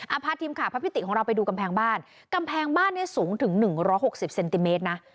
พาทีมข่าวพระพิติของเราไปดูกำแพงบ้านกำแพงบ้านเนี้ยสูงถึงหนึ่งร้อยหกสิบเซนติเมตรนะ